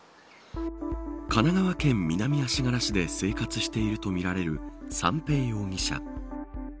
神奈川県南足柄市で生活しているとみられる三瓶容疑者。